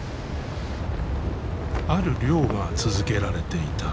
ある漁が続けられていた。